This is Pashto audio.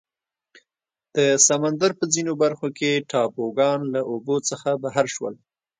د سمندر په ځینو برخو کې ټاپوګان له اوبو څخه بهر شول.